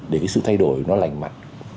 để cái sự thay đổi nó lành mạnh